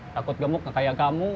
takut gemuk kayak kamu